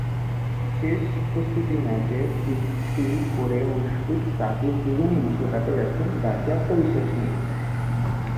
শেষ প্রস্তুতি ম্যাচে ফিফটি করে মুশফিক-সাকিব দুজনই বিশ্বকাপে যাচ্ছেন বাড়তি আত্মবিশ্বাস নিয়ে।